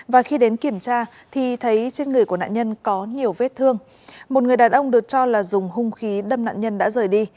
và khi đến kiểm tra thì thấy trên người của nạn nhân có nhiều vết thương một người đàn ông được cho là dùng hung khí đâm nạn nhân đã rời đi